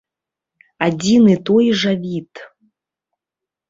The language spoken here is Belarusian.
Адзін і той жа від.